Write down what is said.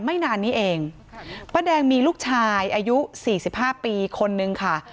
ไม่นานนี้เองป้าแดงมีลูกชายอายุสี่สิบห้าปีคนนึงค่ะ